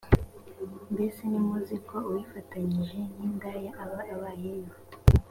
mbese ntimuzi ko uwifatanyije n indaya aba abayeyo.